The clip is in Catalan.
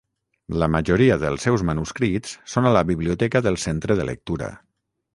La majoria dels seus manuscrits són a la Biblioteca del Centre de Lectura.